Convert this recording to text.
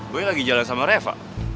gue lagi jalan sama reva